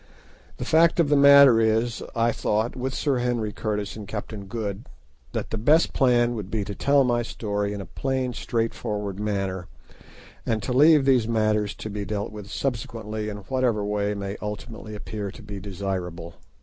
The fact of the matter is, I thought, with Sir Henry Curtis and Captain Good, that the best plan would be to tell my story in a plain, straightforward manner, and to leave these matters to be dealt with subsequently in whatever way ultimately may appear to be desirable.